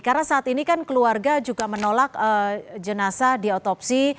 karena saat ini kan keluarga juga menolak jenazah diotopsi